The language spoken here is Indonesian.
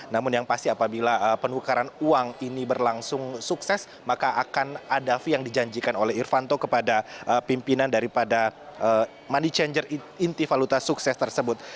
namun yang pasti apabila penukaran uang ini berlangsung sukses maka akan ada fee yang dijanjikan oleh irvanto kepada pimpinan daripada money changer inti valuta sukses tersebut